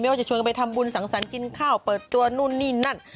ว่าจะชวนกันไปทำบุญสังสรรค์กินข้าวเปิดตัวนู่นนี่นั่น